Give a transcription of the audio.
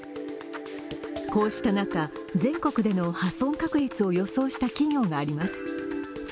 こうした中、全国での破損確率を予想した企業があります。